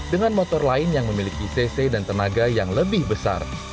dengan motor lain yang memiliki cc dan tenaga yang lebih besar